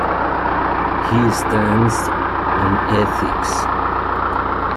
He stands on ethics.